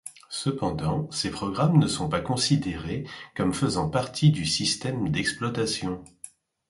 Cependant, ces programmes ne sont pas considérés comme faisant partie du système d'exploitation.